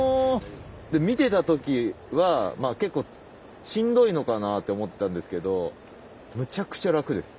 見てた時は結構しんどいのかなと思ってたんですけどむちゃくちゃ楽です。